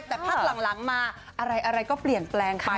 แต่พักหลังมาอะไรก็เปลี่ยนแปลงไป